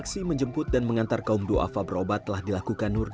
aksi menjemput dan mengantar kaum do'afa berobat telah dilakukan nur